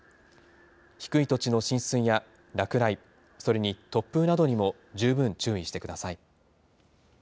低い土地の浸水や落雷、それに突風などにも十分注意してください。